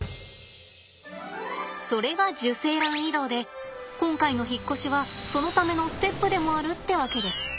それが受精卵移動で今回の引っ越しはそのためのステップでもあるってわけです。